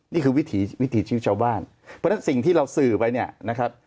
นี่คือวิถีวิถีชีวิตชาวบ้านเพราะฉะนั้นสิ่งที่เราสื่อไปเนี่ยนะครับ